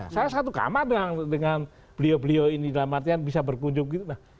saya satu kamar dengan beliau beliau ini dalam artian bisa berkunjung gitu